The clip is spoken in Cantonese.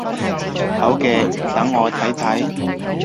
好嘅，等我睇睇